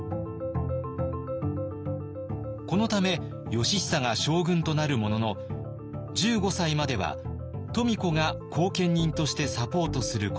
このため義尚が将軍となるものの１５歳までは富子が後見人としてサポートすることに。